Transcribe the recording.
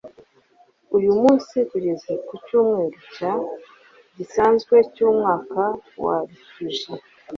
uyu munsi tugeze ku cyumweru cya gisanzwe cy'umwaka wa liturijiya